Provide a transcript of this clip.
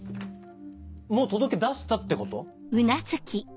もう届け出したってこと？